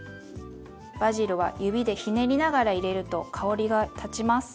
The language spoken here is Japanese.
バジルは指でひねりながら入れると香りが立ちます。